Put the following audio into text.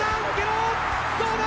どうだ？